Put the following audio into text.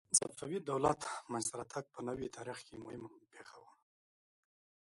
د صفوي دولت منځته راتګ په نوي تاریخ کې مهمه پېښه وه.